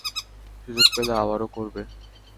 সুযোগ পেলে আবারও করবে!